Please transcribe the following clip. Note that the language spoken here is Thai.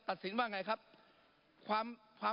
ปรับไปเท่าไหร่ทราบไหมครับ